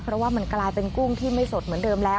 เพราะว่ามันกลายเป็นกุ้งที่ไม่สดเหมือนเดิมแล้ว